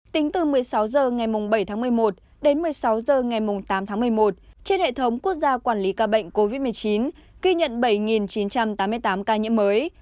tính từ một mươi sáu h ngày bảy tháng một mươi một đến một mươi sáu h ngày tám tháng một mươi một trên hệ thống quốc gia quản lý ca bệnh covid một mươi chín ghi nhận bảy chín trăm tám mươi tám ca nhiễm mới